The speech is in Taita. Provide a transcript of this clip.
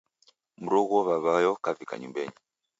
Mroghuo w'aw'ayo kavika nyumbeni.